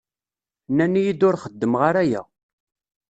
Nnan-iyi-d ur xeddmeɣ ara aya.